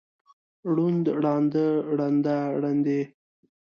ړوند، ړانده، ړنده، ړندې.